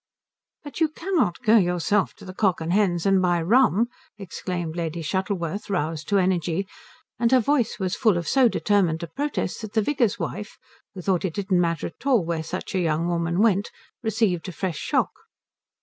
"But you cannot go yourself to the Cock and Hens and buy rum," exclaimed Lady Shuttleworth, roused to energy; and her voice was full of so determined a protest that the vicar's wife, who thought it didn't matter at all where such a young woman went, received a fresh shock.